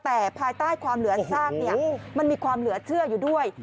แต่ภายใต้ความเหลือซากมันมีความเหลือเชื่ออยู่ด้วย